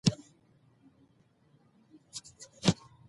رنګ د مېکدې په بله واړوه